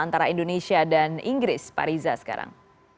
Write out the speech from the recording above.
antara indonesia dan inggris pak riza sekarang